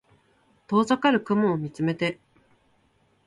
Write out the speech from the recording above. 遠ざかる雲を見つめて